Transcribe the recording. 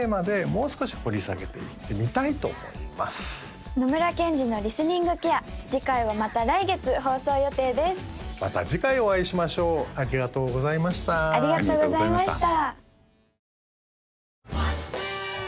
もう少し掘り下げていってみたいと思います野村ケンジのリスニングケア次回はまた来月放送予定ですまた次回お会いしましょうありがとうございましたありがとうございましたＳｈｉｎｉｎｇｄａｙ